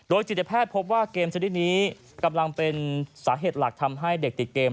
จิตแพทย์พบว่าเกมชนิดนี้กำลังเป็นสาเหตุหลักทำให้เด็กติดเกม